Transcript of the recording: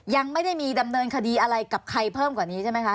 ยังไม่ได้มีดำเนินคดีอะไรกับใครเพิ่มกว่านี้ใช่ไหมคะ